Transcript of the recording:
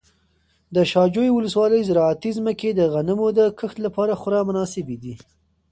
د شاجوی ولسوالۍ زراعتي ځمکې د غنمو د کښت لپاره خورا مناسبې دي.